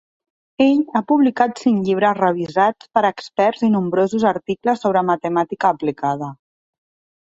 Ell ha publicat cinc llibres revisats per experts i nombrosos articles sobre matemàtica aplicada.